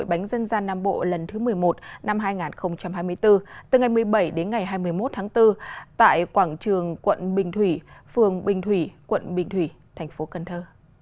bánh dân gian nam bộ lần thứ một mươi một năm hai nghìn hai mươi bốn từ ngày một mươi bảy đến ngày hai mươi một tháng bốn tại quảng trường quận bình thủy phường bình thủy quận bình thủy thành phố cần thơ